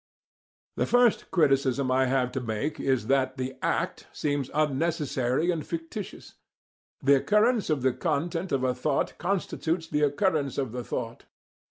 The first criticism I have to make is that the ACT seems unnecessary and fictitious. The occurrence of the content of a thought constitutes the occurrence of the thought.